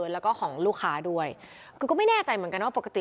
แล้วก็ของลูกค้าด้วยคือก็ไม่แน่ใจเหมือนกันว่าปกติ